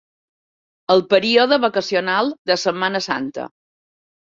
El període vacacional de Setmana Santa.